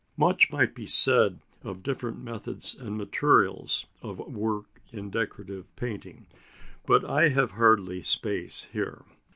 Much might be said of different methods and materials of work in decorative painting, but I have hardly space here.